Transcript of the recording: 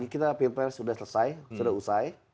kita pilpres sudah selesai sudah usai